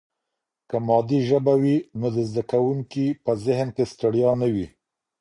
که مادي ژبه وي نو د زده کوونکي په ذهن کې ستړیا نه وي.